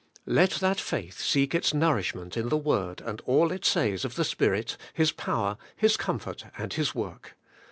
Let that faith seek its nourish ment in the Word and all it says of the Spirit, His power, His comfort, and His work.